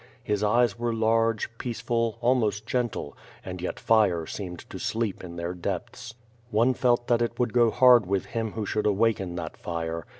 His eyes were large, peaceful, almost gentle, and yet fire seemed to sleep in their depths. 76 ^ITH FIRE AND SWORD. One felt that it would go hard with him who should awaken that fire.